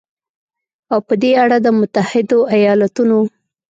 او په دې اړه د متحدو ایالتونو